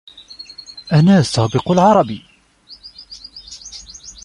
أَنَا سَابِقُ الْعَرَبِ